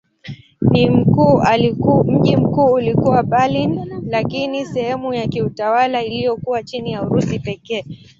Mji mkuu ulikuwa Berlin lakini sehemu ya kiutawala iliyokuwa chini ya Urusi pekee.